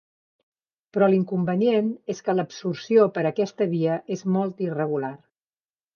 Però l'inconvenient és que l'absorció per aquesta via és molt irregular.